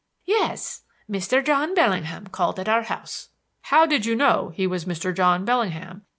"Yes. Mr. John Bellingham called at our house." "How did you know he was Mr. John Bellingham?"